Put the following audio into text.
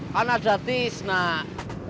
kan ada tisnak